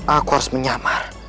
aku harus menyamar